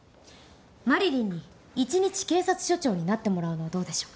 マリリンに１日警察署長になってもらうのはどうでしょう？